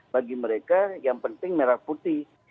bagi mereka yang penting merah putih